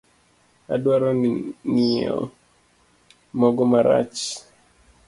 Adwaro ng'inyo mogo marach.